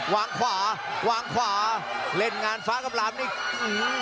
วางขวาวางขวาเล่นงานฟ้ากำลังนี่อื้อ